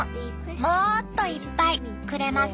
もっといっぱいくれますか？」。